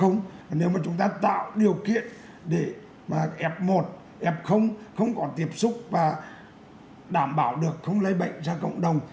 nếu mà chúng ta tạo điều kiện để mà f một f không còn tiếp xúc và đảm bảo được không lấy bệnh cho cộng đồng